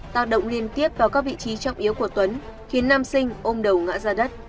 tạo động liên tiếp vào các vị trí trọng yếu của tuấn khiến nam sinh ôm đầu ngã ra đất